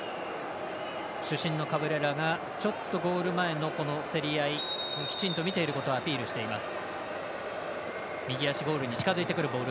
主審のカブレラがゴール前の競り合いをきちんと見ていることをアピールしています。